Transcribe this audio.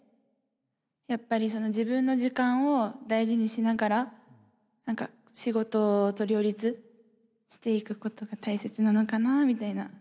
やっぱりその自分の時間を大事にしながら何か仕事と両立していくことが大切なのかなみたいな。